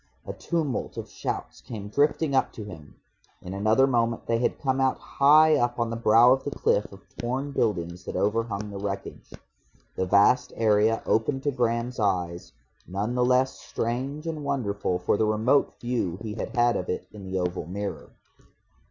A tumult of shouts came drifting up to him. In another moment they had come out high up on the brow of the cliff of torn buildings that overhung the wreckage. The vast area opened to Graham's eyes, none the less strange and wonderful for the remote view he had had of it in the oval mirror.